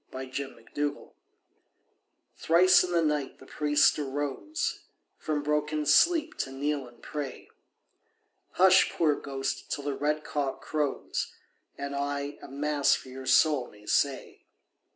THE PRIEST'S BROTHER Thrice in the night the priest arose From broken sleep to kneel and pray. "Hush, poor ghost, till the red cock crows, And I a Mass for your soul may say."